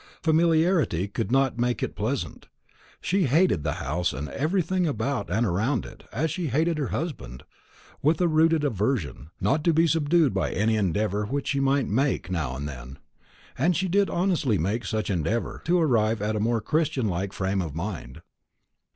Familiarity could not make it pleasant. She hated the house and everything about and around it, as she hated her husband, with a rooted aversion, not to be subdued by any endeavour which she might make now and then and she did honestly make such endeavour to arrive at a more Christian like frame of mind.